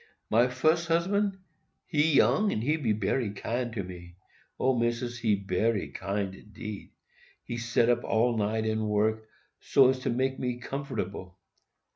"My fus husband,—he young, and he bery kind to me,—O, Missis, he bery kind indeed. He set up all night and work, so as to make me comfortable.